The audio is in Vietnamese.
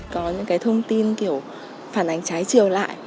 có những cái thông tin kiểu phản ánh trái chiều lại